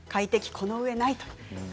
このうえないです。